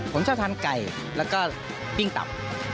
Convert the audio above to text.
ผมชอบทานไก่แล้วก็ปิ้งตับ